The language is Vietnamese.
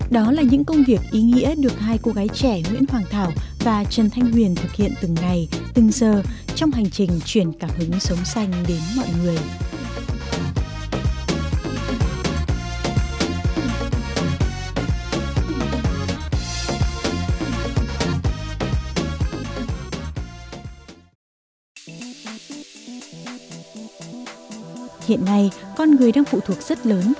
đó là những công việc ý nghĩa được hai cô gái trẻ nguyễn hoàng thảo và trần thanh huyền thực hiện từng ngày từng giờ trong hành trình chuyển cảm hứng sống xanh đến mọi người